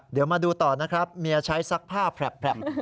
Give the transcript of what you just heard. เดี๋ยวมาดูต่อนะครับเมียใช้ซักผ้าแผลม